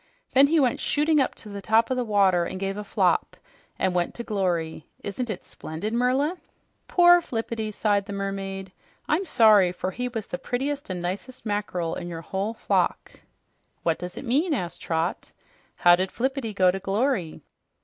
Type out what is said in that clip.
Then he went shooting up to the top of the water and gave a flop and went to glory! Isn't it splendid, Merla?" "Poor Flippity!" sighed the mermaid. "I'm sorry, for he was the prettiest and nicest mackerel in your whole flock." "What does it mean?" asked Trot. "How did Flippity go to glory?"